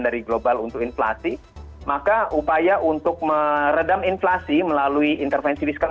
dari global untuk inflasi maka upaya untuk meredam inflasi melalui intervensi fiskal